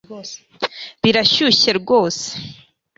Birashyushye rwose